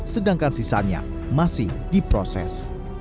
sedangkan sisanya masih diproses